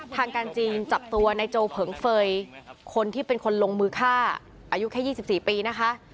ทางการจีนจับตัวในโจเผิงเฟย์คนที่เป็นคนลงมือฆ่าอายุแค่๒๔ปีนะคะ